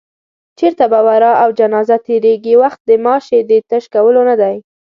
چېرته به ورا او جنازه تېرېږي، وخت د ماشې د تش کولو نه دی